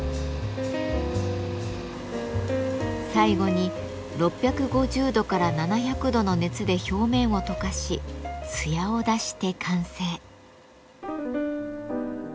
最後に６５０度から７００度の熱で表面を溶かし艶を出して完成。